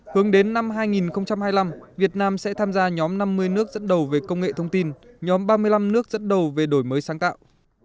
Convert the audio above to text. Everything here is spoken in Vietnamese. hướng đến năm hai nghìn hai mươi năm việt nam sẽ tham gia nhóm năm mươi nước dẫn đầu về công nghệ thông tin nhóm ba mươi năm nước dẫn đầu về đổi mới sáng tạo